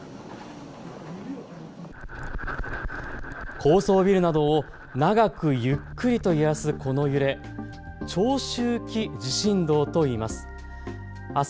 高層ビルなどを長くゆっくりと揺らすこの揺れ、長周期地震動といいます。